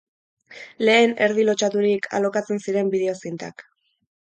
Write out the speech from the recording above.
Lehen, erdi lotsaturik, alokatzen ziren bideo zintak.